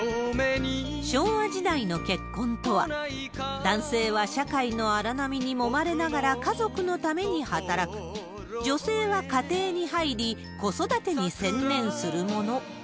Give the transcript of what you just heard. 昭和時代の結婚とは、男性は社会の荒波にもまれながら家族のために働く、女性は家庭に入り、子育てに専念するもの。